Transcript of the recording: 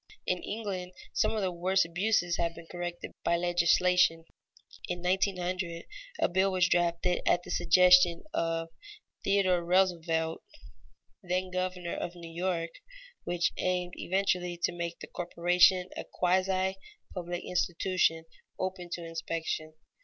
In England, some of the worst abuses have been corrected by legislation. In 1900, a bill was drafted at the suggestion of Theodore Roosevelt, then Governor of New York, which aimed eventually to make the corporation a quasi public institution, open to inspection.